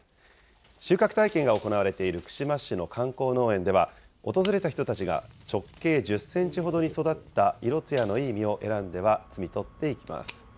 収穫体験が行われている串間市の観光農園では、訪れた人たちが直径１０センチほどに育った、色つやのいい実を選んでは摘み取っていきます。